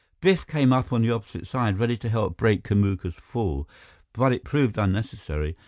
Biff came up on the opposite side, ready to help break Kamuka's fall, but it proved unnecessary.